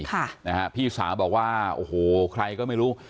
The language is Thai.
ค่ะนะฮะพี่สาวบอกว่าโอ้โหใครก็ไม่รู้